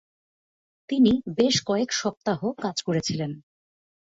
তিনি বেশ কয়েক সপ্তাহ কাজ করেছিলেন।